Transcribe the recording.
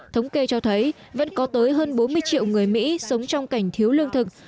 thống kê cho thấy vẫn có tới hơn bốn mươi triệu người mỹ sống trong cảnh thiếu lương thực